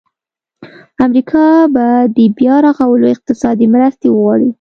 امریکا به د بیا رغولو اقتصادي مرستې وغواړي.